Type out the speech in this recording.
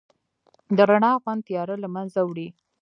د رڼا خوند تیاره لمنځه وړي.